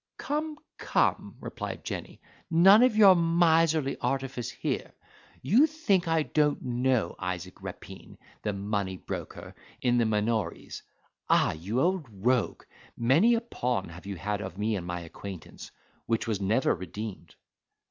"Come, come," replied Jenny, "none of your miserly artifice here. You think I don't know Isaac Rapine, the money broker, in the Minories. Ah! you old rogue! many a pawn have you had of me and my acquaintance, which was never redeemed."